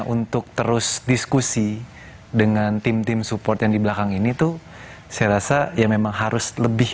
untuk terus diskusi dengan tim tim support yang di belakang ini tuh saya rasa ya memang harus lebih